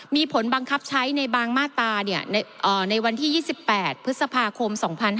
มีผลบังคับใช้ในบางมาตราในวันที่๒๘พฤษภาคม๒๕๕๙